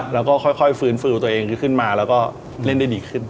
แล้วก็ค่อยฟื้นฟูตัวเองขึ้นมาแล้วก็เล่นได้ดีขึ้น